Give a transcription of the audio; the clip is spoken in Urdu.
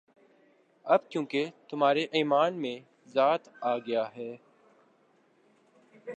اب چونکہ تمہارے ایمان میں ضعف آ گیا ہے،